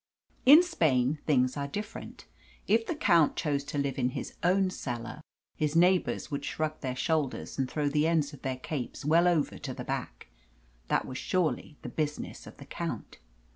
In Spain things are different. If the count chose to live in his own cellar, his neighbours would shrug their shoulders and throw the end of their capes well over to the back. That was surely the business of the count.